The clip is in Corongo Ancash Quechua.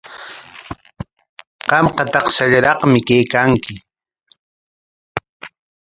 Qamqa takshallaraqmi kaykanki.